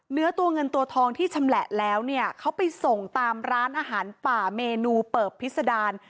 เนื้อตัวเงินตัวทองที่ชำแหละแล้วเนี่ยเขาไปส่งตามร้านอาหารป่าเมนูเปิบพิษดาร